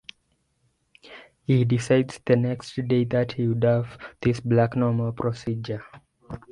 He decides the next day that he would have this Black-No-More procedure.